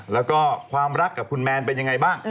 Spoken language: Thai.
แล้วก็ความรักกับคุณแมนเป็นยังไงบ้าง